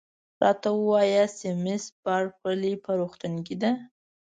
راته ووایاست چي مس بارکلي په روغتون کې ده؟